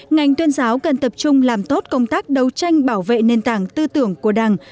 ngành tuyên giáo cần tập trung làm tốt công tác đấu tranh bảo vệ nền tảng tư tưởng của đảng